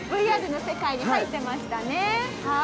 ＶＲの世界に入ってましたね。